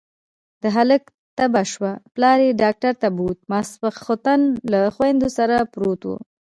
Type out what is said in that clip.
د هلک تبه شوه، پلار يې ډاکټر ته بوت، ماسختن له خويندو سره پرېووت.